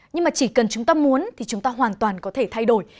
nhưng mà chỉ cần chúng ta muốn thì chúng ta hoàn toàn có thể thay đổi